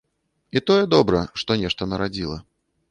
І тое добра, што нешта нарадзіла.